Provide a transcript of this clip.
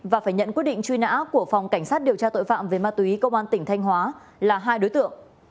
và phải nhận quyết định truy nã của phòng cảnh sát điều tra tội phạm về ma túy công an tỉnh thanh hóa là hai đối tượng